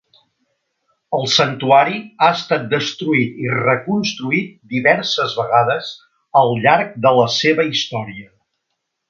El santuari ha estat destruït i reconstruït diverses vegades al llarg de la seva història.